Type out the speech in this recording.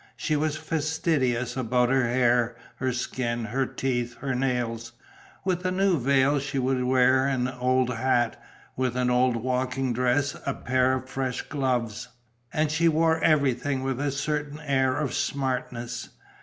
She was fastidious about her hair, her skin, her teeth, her nails. With a new veil she would wear an old hat, with an old walking dress a pair of fresh gloves; and she wore everything with a certain air of smartness.